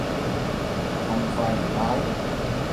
咁快唔戴？